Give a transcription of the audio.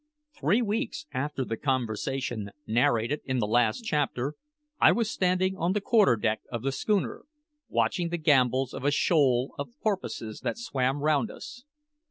Three weeks after the conversation narrated in the last chapter I was standing on the quarter deck of the schooner, watching the gambols of a shoal of porpoises that swam round us.